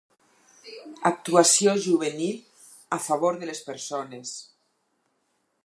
Actuació juvenil a favor de les persones.